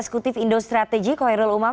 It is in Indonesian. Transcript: esekutif indo strategy koyerul umam